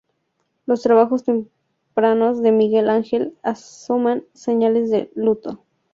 Los trabajos tempranos de Miguel Ángel asoman señales de luto.